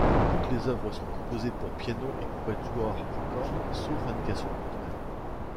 Toutes les œuvres sont composées pour piano et quatuor à cordes, sauf indication contraire.